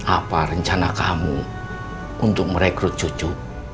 apa rencana kamu untuk merekrut cucu